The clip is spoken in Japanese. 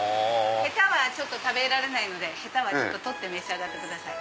ヘタは食べられないので取って召し上がってください。